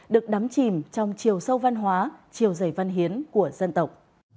được đắm chìm trong chiều sâu văn hóa chiều dày văn hiến của dân tộc